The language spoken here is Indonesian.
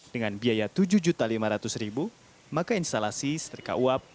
dengan biaya tujuh juta lima ratus ribu maka instalasi setrika uap